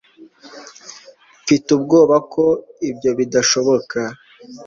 mfite ubwoba ko ibyo bidashoboka